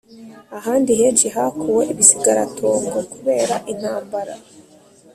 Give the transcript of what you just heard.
Ahandi henshi hakuwe ibisigaratongo kubera intambara